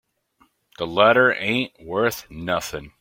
The letter ain't worth nothing.